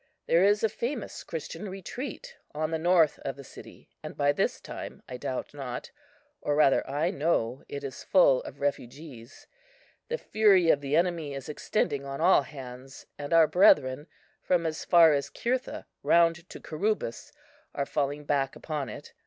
There is a famous Christian retreat on the north of the city, and by this time, I doubt not, or rather I know, it is full of refugees. The fury of the enemy is extending on all hands, and our brethren, from as far as Cirtha round to Curubis, are falling back upon it.